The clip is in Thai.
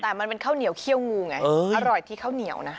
แต่มันเป็นข้าวเหนียวเขี้ยวงูไงอร่อยที่ข้าวเหนียวนะ